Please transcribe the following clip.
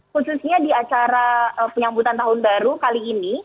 khususnya di acara penyambutan tahun baru kali ini